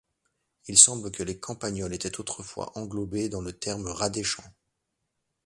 Il semble que les campagnols étaient autrefois englobés dans le terme rat des champs.